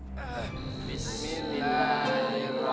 tapi apa orang lainnya